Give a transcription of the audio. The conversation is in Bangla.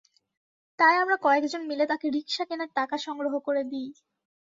তাই আমরা কয়েকজন মিলে তাঁকে রিকশা কেনার টাকা সংগ্রহ করে দিই।